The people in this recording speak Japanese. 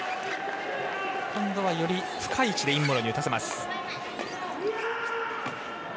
今度はより深い位置で尹夢ろに打たせます。